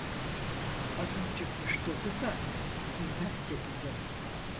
Adım çıkmış dokuza, inmez sekize.